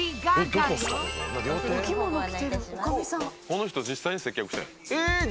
この人実際に接客したんや。